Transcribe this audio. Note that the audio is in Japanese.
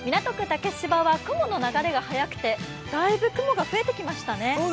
竹芝は雲の流れが速くてだいぶ雲が増えてきましたね。